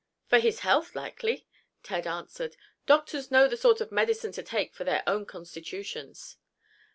"For his health, likely," Ted answered. "Doctors know the sort of medicine to take for their own constitutions."